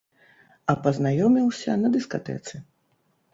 А пазнаёміўся на дыскатэцы.